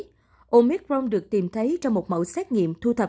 các bệnh nhân nặng của biến thể mới omicron được tìm thấy trong một mẫu xét nghiệm thu thập